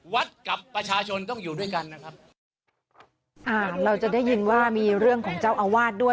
กับประชาชนต้องอยู่ด้วยกันนะครับอ่าเราจะได้ยินว่ามีเรื่องของเจ้าอาวาสด้วย